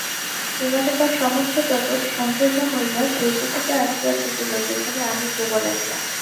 এবারে তার সমস্ত জগৎ সংকীর্ণ হইয়া সেইটুকুতে আসিয়া ঠেকিল যেখানে আমিই কেবল একলা।